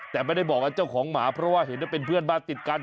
แต่ไม่ได้บอกกับเจ้าของหมาเพราะว่าเห็นว่าเป็นเพื่อนบ้านติดกัน